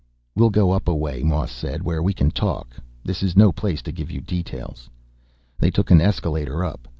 "We'll go up a way," Moss said, "where we can talk. This is no place to give you details." They took an escalator up.